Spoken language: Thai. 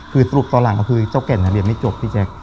คือสรุปตอนหลังก็คือเจ้าแก่นเรียนไม่จบพี่แจ๊ค